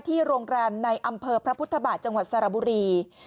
โรงแรมในอำเภอพระพุทธบาทจังหวัดสระบุรี